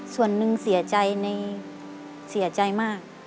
ส่วนหนึ่งเสียใจในเสียใจมาก